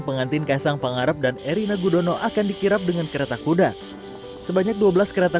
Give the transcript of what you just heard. pengantin kaisang pangarep dan erina gudono akan dikirap dengan kereta kuda sebanyak dua belas kereta